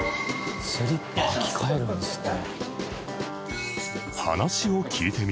スリッパ履き替えるんですね。